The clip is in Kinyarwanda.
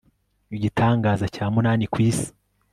igitangaza cya munani ku isi